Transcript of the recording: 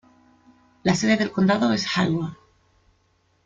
La sede del condado es Hayward.